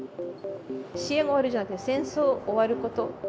支援終わるじゃなくて、戦争終わること。